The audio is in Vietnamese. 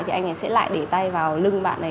thì anh ấy sẽ lại để tay vào lưng bạn này